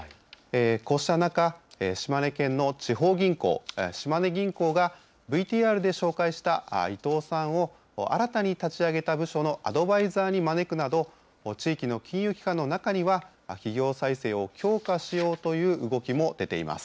こうした中、島根県の地方銀行、島根銀行が、ＶＴＲで紹介した伊藤さんを、新たに立ち上げた部署のアドバイザーに招くなど、地域の金融機関の中には、企業再生を強化しようという動きも出ています。